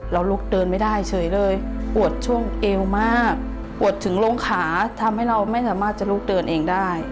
ลุกเดินไม่ได้เฉยเลยปวดช่วงเอวมากปวดถึงโรงขาทำให้เราไม่สามารถจะลุกเดินเองได้